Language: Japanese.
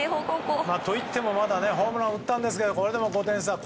といってもまだホームラン打ったんですけどこれでも５点差。